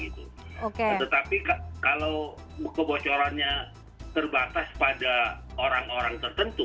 tetapi kalau kebocorannya terbatas pada orang orang tertentu